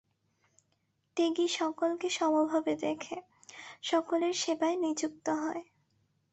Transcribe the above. ত্যাগী সকলকে সমভাবে দেখে, সকলের সেবায় নিযুক্ত হয়।